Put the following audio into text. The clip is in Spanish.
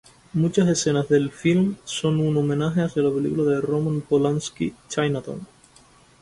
Muchas escenas del film son un homenaje hacia la película de Roman Polanski "Chinatown".